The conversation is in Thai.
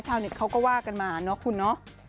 ชาวเน็ตเขาก็ว่ากันมาเนอะคุณเนอะ